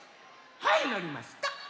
はいのりました。